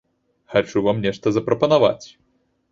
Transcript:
Хачу вам нешта запрапанаваць.